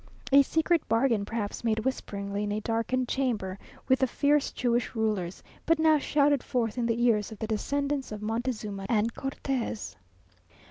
A secret bargain, perhaps made whisperingly in a darkened chamber with the fierce Jewish rulers; but now shouted forth in the ears of the descendants of Montezuma and Cortes!